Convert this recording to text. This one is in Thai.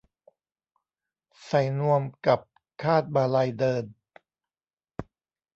ใส่นวมกับคาดมาลัยเดิน